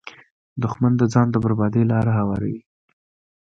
دښمن د ځان د بربادۍ لاره هواروي